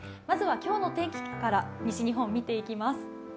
まずは今日の天気から西日本、見ていきます。